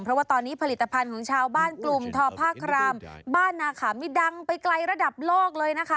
เพราะว่าตอนนี้ผลิตภัณฑ์ของชาวบ้านกลุ่มทอผ้าครามบ้านนาขามนี่ดังไปไกลระดับโลกเลยนะคะ